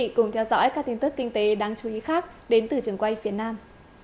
tiếp theo xin mời quý vị cùng theo dõi các tin tức kinh tế đáng chú ý khác đến từ trường quay việt nam